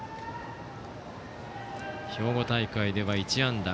兵庫大会では１安打。